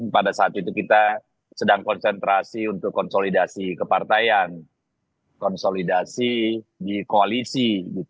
pada saat itu kita sedang konsentrasi untuk konsolidasi kepartaian konsolidasi di koalisi